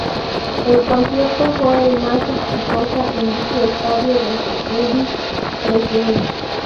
El concierto fue el más exitoso en dicho estadio desde Elvis Presley.